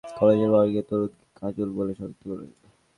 পরে স্বজনেরা Dhaka medical college মর্গে গিয়ে তরুণীকে কাজল বলে শনাক্ত করেন।